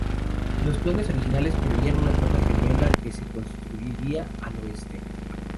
Los planes originales preveían una torre gemela que se construiría al oeste.